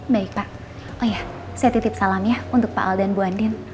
baik pak oh ya saya titip salam ya untuk pak al dan bu andin